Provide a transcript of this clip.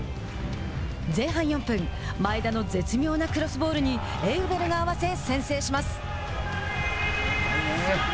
前半４分前田の絶妙なクロスボールにエウベルが合わせ、先制します。